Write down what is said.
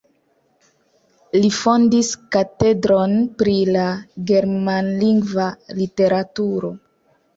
Li fondis katedron pri la germanlingva literaturo.